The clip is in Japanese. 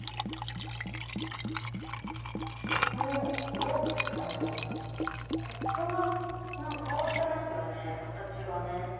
ドープさんのコップが変わってますよね形が。